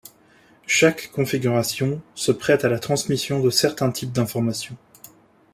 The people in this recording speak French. Chaque configuration se prête à la transmission de certains types d'informations.